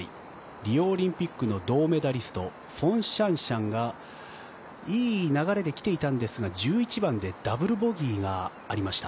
リオオリンピックの銅メダリストフォン・シャンシャンがいい流れで来ていたんですが１１番でダブルボギーがありました。